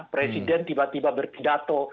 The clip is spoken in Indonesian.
presiden tiba tiba bertidato